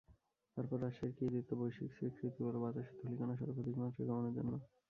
তারপর রাজশাহীর কৃতিত্ব বৈশ্বিক স্বীকৃতি পেল বাতাসের ধূলিকণা সর্বাধিক মাত্রায় কমানোর জন্য।